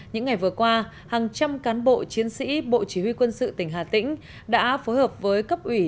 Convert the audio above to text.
những ngày vừa qua hàng trăm cán bộ chiến sĩ bộ chỉ huy quân sự tỉnh hà tĩnh đã phối hợp với cấp ủy